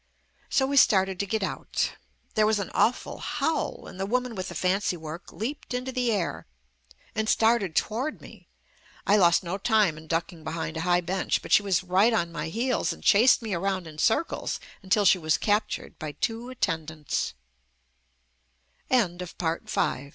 So we started to get out. There was an awful howl and the woman with the fancy work leaped into the air, and started toward me. I lost no time in ducking behind a high bench, but she was right on my heels and chased me around in circles u